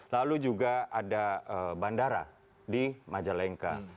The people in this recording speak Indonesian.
lalu juga ada bandara di majalengka